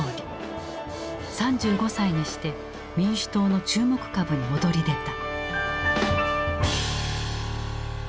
３５歳にして民主党の注目株に躍り出た。